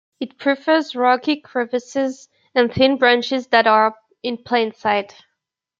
It prefers rocky crevices and thin branches that are in plain sight.